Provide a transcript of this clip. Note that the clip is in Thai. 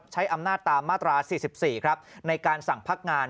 ใช้อำนาจตามมาตรา๔๔ครับในการสั่งพักงาน